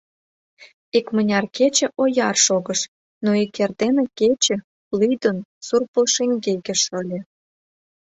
Икмыняр кече ояр шогыш, но ик эрдене кече, лӱдын, сур пыл шеҥгеке шыле.